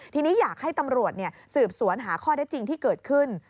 ทีนี้อยากให้ตำรวจสืบสวนหาข้อได้จริงที่เกิดขึ้น